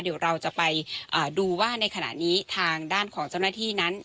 เดี๋ยวเราจะไปดูว่าในขณะนี้ทางด้านของเจ้าหน้าที่นั้น